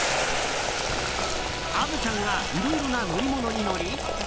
虻ちゃんがいろいろな乗り物に乗り